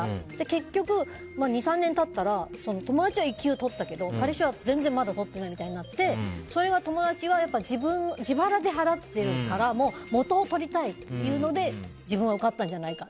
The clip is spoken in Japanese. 結局、２３年経ったら友達は１級取ったけど彼氏は全然まだ取ってないみたいになってそれが友達は自腹で払ってるから元を取りたいっていうので自分は受かったんじゃないか。